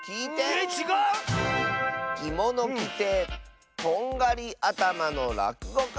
えっちがう⁉「きものきてとんがりあたまのらくごかさん」。